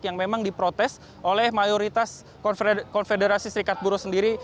yang memang diprotes oleh mayoritas konfederasi serikat buruh sendiri